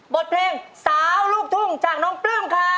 บทเพลงสาวลูกทุ่งจากน้องปลื้มครับ